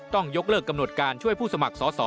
ต้องยกเลิกกำหนดการช่วยผู้สมัครสอสอ